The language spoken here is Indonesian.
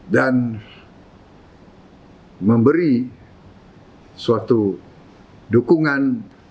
dan memberi suatu dukungan